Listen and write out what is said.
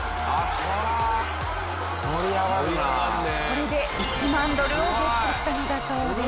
これで１万ドルをゲットしたのだそうです。